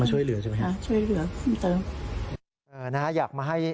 มาช่วยเหลือใช่ไหมครับค่ะช่วยเหลือเพิ่มเติม